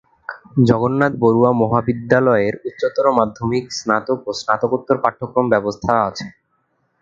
জগন্নাথ বড়ুয়া মহাবিদ্যালয়ে উচ্চতর মাধ্যমিক, স্নাতক ও স্নাতকোত্তর পাঠ্যক্রম ব্যবস্থা আছে।